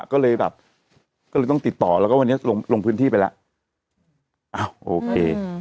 ก็เลยต้องติดต่อแล้ววันเนี่ยลงพื้นที่ไปแล้ว